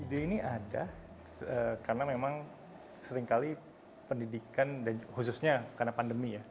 ide ini ada karena memang seringkali pendidikan khususnya karena pandemi ya